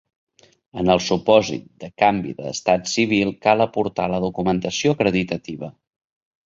En el supòsit de canvi d'estat civil cal aportar la documentació acreditativa.